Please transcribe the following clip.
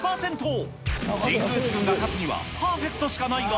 神宮寺君が勝つにはパーフェクトしかないが。